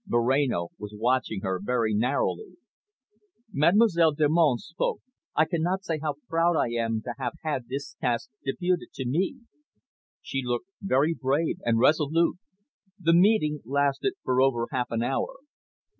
Moreno was watching her very narrowly. Mademoiselle Delmonte spoke. "I cannot say how proud I am to have had this task deputed to me." She looked very brave and resolute. The meeting lasted for over half an hour.